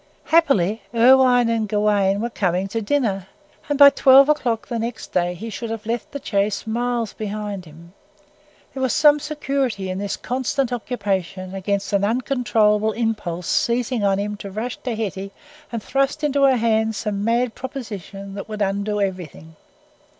Happily, Irwine and Gawaine were coming to dinner, and by twelve o'clock the next day he should have left the Chase miles behind him. There was some security in this constant occupation against an uncontrollable impulse seizing him to rush to Hetty and thrust into her hand some mad proposition that would undo everything.